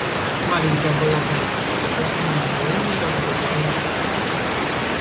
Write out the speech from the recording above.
Маленькая болотная птичка только на мгновенье развлекла ее.